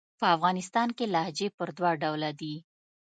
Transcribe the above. په افغانستان کښي لهجې پر دوه ډوله دي.